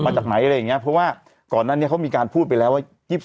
มาจากไหนอะไรอย่างนี้เพราะว่าก่อนนั้นเนี่ยเขามีการพูดไปแล้วว่า